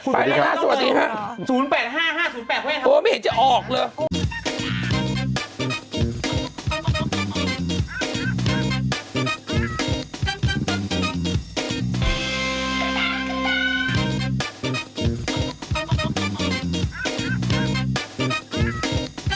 ไปแล้วครับสวัสดีครับโอ้โฮไม่เห็นจะออกเลยโอ้โฮ